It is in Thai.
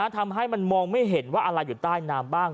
ทำให้มันมองไม่เห็นว่าอะไรอยู่ใต้น้ำบ้าง